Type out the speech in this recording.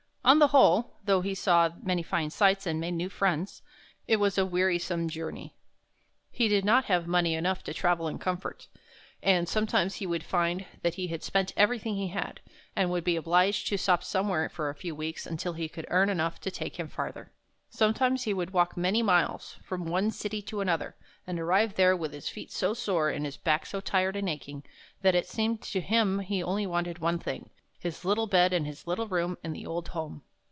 On the whole, though he saw many fine sights and made new friends, it was a wearisome journey. He did not have money enough to travel in comfort, and sometimes he would find that he had spent everything he had, and would be obliged to stop somewhere for a few weeks until he could earn enough to take him farther. Sometimes he would walk many miles, from one city to another, and arrive there with his feet so sore and his back so tired and aching, that it seemed to him he wanted only one thing — his little bed in his little room in the old home.